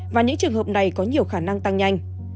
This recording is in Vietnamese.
và những trường hợp này có nhiều khả năng tăng nhanh